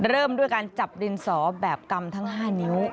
เริ่มด้วยการจับดินสอแบบกำทั้ง๕นิ้ว